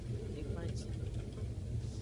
Egbancive.